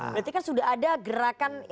berarti kan sudah ada gerakan